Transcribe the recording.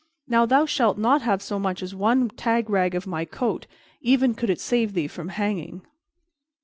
Now thou shalt not have so much as one tag rag of my coat, even could it save thee from hanging."